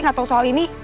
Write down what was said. gak tau soal ini